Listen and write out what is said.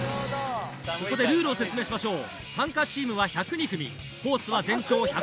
ここでルールを説明しましょう。